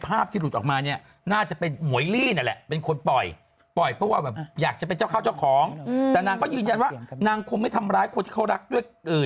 สือสือสือสือสือสือสือสือสือสือสือสือ